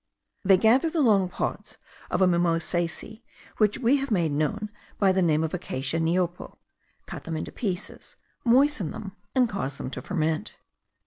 They gather the long pods of a mimosacea which we have made known by the name of Acacia niopo,* cut them into pieces, moisten them, and cause them to ferment.